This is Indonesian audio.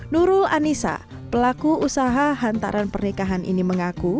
nurul anissa pelaku usaha hantaran pernikahan ini mengaku